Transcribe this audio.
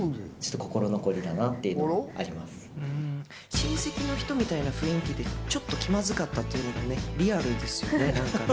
親戚の人みたいな雰囲気で、ちょっと気まずかったというリアルですね、何かね。